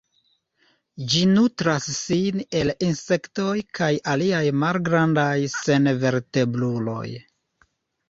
Ĝi nutras sin el insektoj kaj aliaj malgrandaj senvertebruloj.